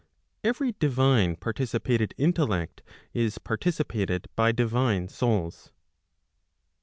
Every [divine 1 ] participated intellect, is participated by divine souls.